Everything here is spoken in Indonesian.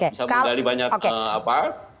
bisa menggali banyak apa